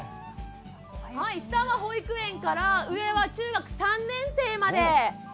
下は保育園から上は中学３年生まで。